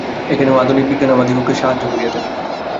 এখানেও আধুনিক বিজ্ঞান আমাদিগকে সাহায্য করিয়া থাকে।